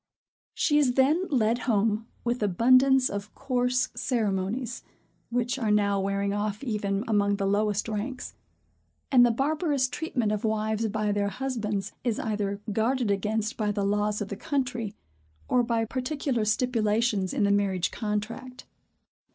She is then led home, with abundance of coarse ceremonies, which are now wearing off even among the lowest ranks; and the barbarous treatment of wives by their husbands is either guarded against by the laws of the country, or by particular stipulations in the marriage contract.